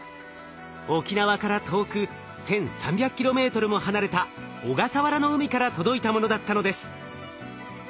沖縄から遠く１，３００ｋｍも離れた小笠原の海から届いたものだったのです。